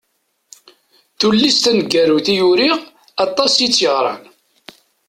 Tullist taneggarut i uriɣ aṭas i tt-yeɣran.